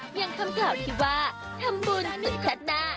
อย่างคำกล่าวที่ว่าทำบุญสุดคลัดหน้า